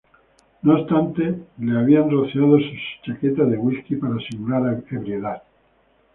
No obstante le habían rociado su chaqueta de whisky para simular ebriedad.